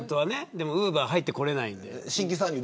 でもウーバーは入ってこれないんです。